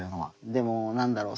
でも何だろう